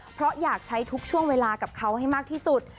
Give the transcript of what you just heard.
เพราะอยากใช้ทุกช่วงเวลากับเขาให้มากที่สุด